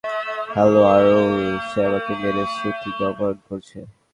Hello Arul, সে আমাকে মেরে শ্রুতিকে অপহরণ করেছে।